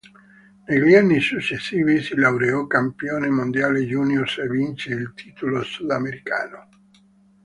Negli anni successivi si laureò campione mondiale juniores e vinse il titolo sudamericano.